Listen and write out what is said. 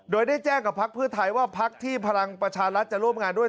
โดยได้แจ้งกับพักเพื่อไทยว่าพักที่พลังประชารัฐจะร่วมงานด้วย